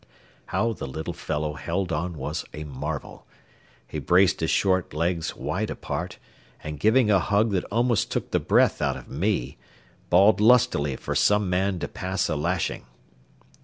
How the little fellow held on was a marvel. He braced his short legs wide apart, and giving a hug that almost took the breath out of me, bawled lustily for some man to pass a lashing.